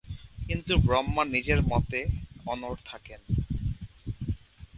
কিন্তু ব্রহ্মা নিজের মতে অনড় থাকেন।